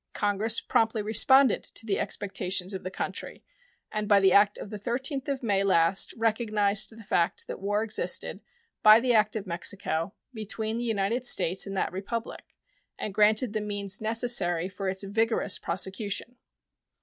Congress promptly responded to the expectations of the country, and by the act of the 13th of May last recognized the fact that war existed, by the act of Mexico, between the United States and that Republic, and granted the means necessary for its vigorous prosecution.